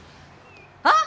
あっ！